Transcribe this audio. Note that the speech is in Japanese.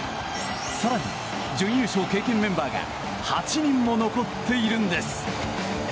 更に、準優勝経験メンバーが８人も残っているんです。